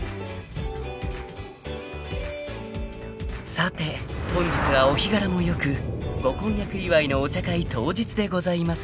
［さて本日はお日柄も良くご婚約祝いのお茶会当日でございます］